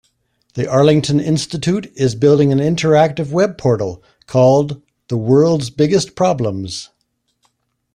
The Arlington Institute is building an interactive web portal called The World's Biggest Problems.